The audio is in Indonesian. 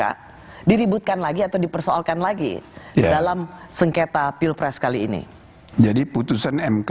ini sudah ditanyakan lagi atau di persoalkan lagi dalam sengketa pilpres kali ini jadi putusan mk